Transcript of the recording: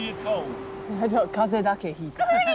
風邪だけひいた。